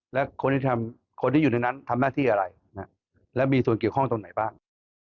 และคนที่อยู่ในนั้นทำหน้าที่อะไรและมีส่วนเกี่ยวข้องตรงไหนบ้าง